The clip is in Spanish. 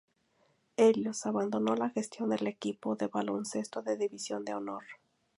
Helios abandonó la gestión del equipo de baloncesto de División de Honor.